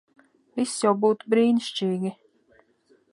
Viss jau būtu brīnišķīgi.